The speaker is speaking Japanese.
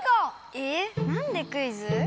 えなんでクイズ？